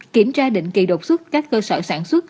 kiểm tra định kỳ đột xuất các cơ sở sản xuất